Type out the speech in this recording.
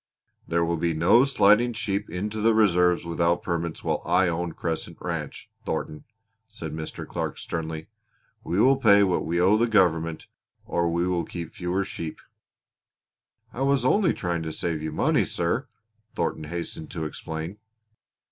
"There will be no sliding sheep into the reserves without permits while I own Crescent Ranch, Thornton," said Mr. Clark sternly. "We will pay what we owe the government or we will keep fewer sheep." "I was only trying to save you money, sir," Thornton hastened to explain.